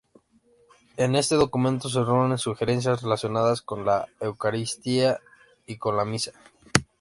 En este documento se reúnen sugerencias relacionadas con la Eucaristía y con la Misa.